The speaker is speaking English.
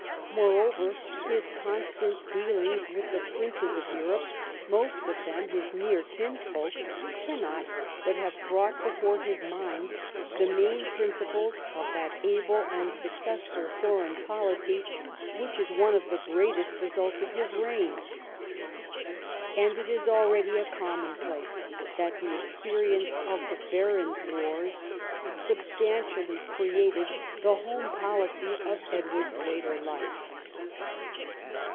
Moreover, his constant dealings with the princes of Europe, most of them his near kinsfolk, cannot but have brought before his mind the main principles of that able and successful foreign policy which is one of the greatest results of his reign. And it is already a commonplace that the experience of the Barons' Wars substantially created the home policy of Edward's later life.